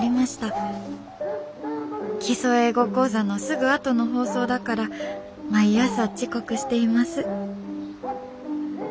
『基礎英語講座』のすぐあとの放送だから毎朝遅刻しています」。